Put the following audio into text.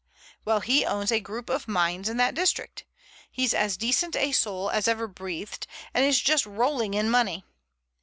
Well, he owns a group of mines in that district. He's as decent a soul as ever breathed, and is just rolling in money.